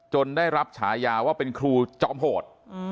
ได้รับฉายาว่าเป็นครูจอมโหด